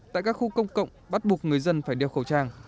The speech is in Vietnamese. tại các khu công cộng bắt buộc người dân phải đeo khẩu trang